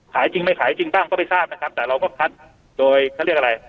จริงไม่ขายจริงบ้างก็ไม่ทราบนะครับแต่เราก็คัดโดยเขาเรียกอะไร